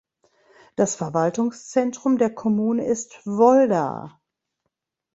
Das Verwaltungszentrum der Kommune ist "Volda".